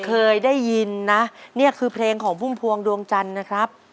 เคยได้ยินนะนี่คือเพลงของพุ่มพวงดวงจันทร์นะครับ